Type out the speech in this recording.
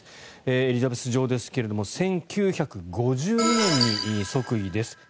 エリザベス女王ですが１９５２年に即位です。